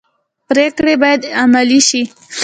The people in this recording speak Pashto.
پریکړې باید عملي شي